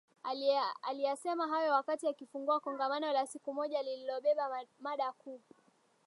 Aliyasema hayo wakati akifungua Kongamano la siku moja lililobeba mada kuu